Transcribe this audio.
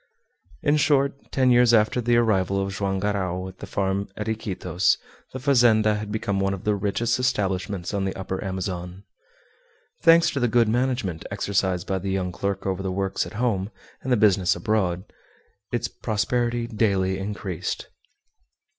In short, ten years after the arrival of Joam Garral at the farm at Iquitos the fazenda had become one of the richest establishments on the Upper Amazon. Thanks to the good management exercised by the young clerk over the works at home and the business abroad, its prosperity daily increased.